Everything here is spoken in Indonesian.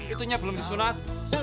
itunya belum disunat